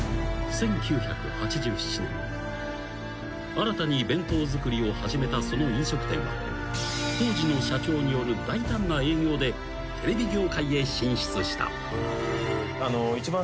新たに弁当作りを始めたその飲食店は当時の社長による大胆な営業でテレビ業界へ進出した］